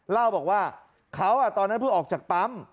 เล่าบอกว่าเขาตอนนั้นเพิ่งออกจากปั๊ม